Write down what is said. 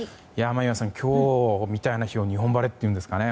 眞家さん、今日みたいな日を日本晴れっていうんですかね。